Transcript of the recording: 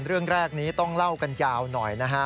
เรื่องแรกนี้ต้องเล่ากันยาวหน่อยนะฮะ